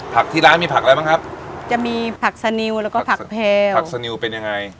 ที่ร้านมีผักอะไรบ้างครับจะมีผักสนิวแล้วก็ผักแพงผักสนิวเป็นยังไง